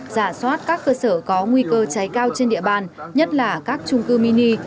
giả soát các cơ sở có nguy cơ cháy cao trên địa bàn nhất là các trung cư mini